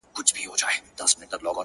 o مه کوه گمان د ليوني گلي ـ